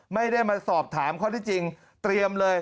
ไม่ได้มาสอบถามข้อที่จริงเตรียมเลย